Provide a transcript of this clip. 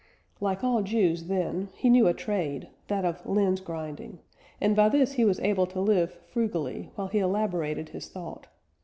Like all Jews then, he knew a trade that of lens grinding and by this he was able to live frugally, while he elaborated his thought.